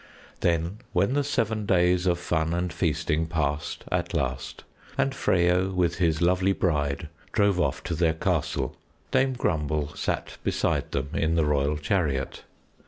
Then when the seven days of fun and feasting passed at last, and Freyo with his lovely bride drove off to their castle, Dame Grumble sat beside them in the royal chariot.